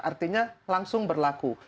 artinya langsung berlaku